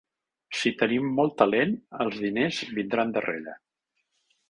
Si tenim molt talent, els diners vindran darrere.